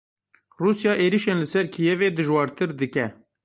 Rûsya êrişên li ser Kîevê dijwartir dike.